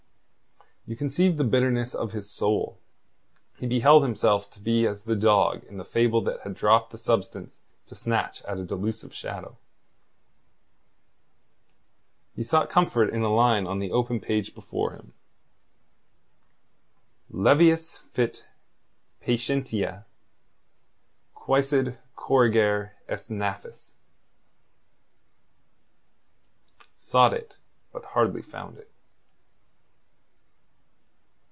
You conceive the bitterness of his soul. He beheld himself to be as the dog in the fable that had dropped the substance to snatch at a delusive shadow. He sought comfort in a line on the open page before him: "levius fit patientia quicquid corrigere est nefas." Sought it, but hardly found it.